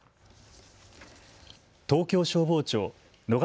東京消防庁野方